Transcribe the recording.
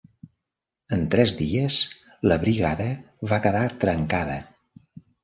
En tres dies la brigada va quedar trencada.